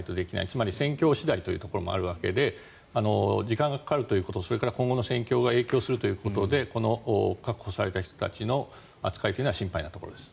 つまり、戦況次第というところもあるわけで時間がかかるということそれから今後の戦況が影響するということでこの確保された人たちの扱いは心配なところです。